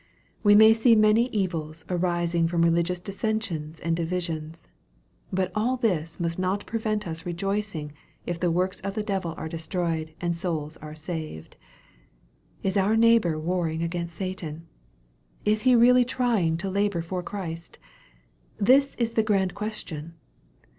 We may see many evils arising from religious dissensions and divisions. But all this must not prevent us rejoicing if the works of the devil are destroyed and souls are saved. Is our neighbor warring against Satan ? Is he really trying to labor for Christ ? This is the grand question.